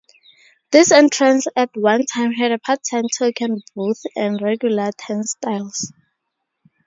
This entrance at one time had a part-time token booth and regular turnstiles.